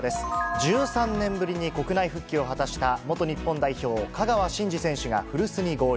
１３年ぶりに国内復帰を果たした元日本代表、香川真司選手が古巣に合流。